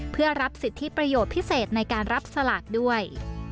เพื่อรับสิทธิประโยชน์พิเศษในการรับสลากด้วย